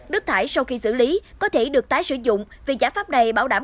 nước thải sau khi xử lý có thể được tái sử dụng vì giải pháp này bảo đảm